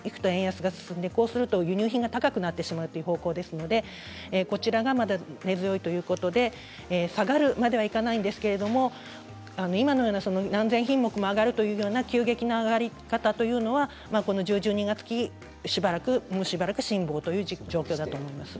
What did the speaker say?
そうすると輸入品が高くなってしまう傾向ですのでこちらがまだ根強いということで、下がるまではいかないんですけれど今のような何千品目も上がるというような急激な上がり方というのはこの１０−１２月期もうしばらく辛抱という状況だと思います。